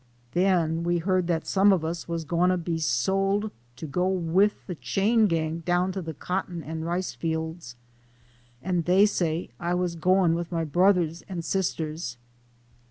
Den we heard dat some of us was gwine to be sole to go wid de chain gang down to de cotton an' rice fields, and dey said I was gwine, an' my brudders, an' sis ters.